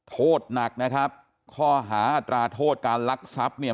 โทษหนักนะครับข้อหาอัตราโทษการลักทรัพย์เนี่ย